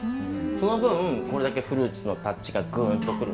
その分これだけフルーツのタッチがぐんと来るんです。